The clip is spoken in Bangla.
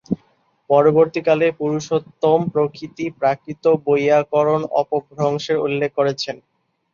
পরবর্তীকালে পুরুষোত্তম প্রভৃতি প্রাকৃত বৈয়াকরণ অপভ্রংশের উল্লেখ করেছেন।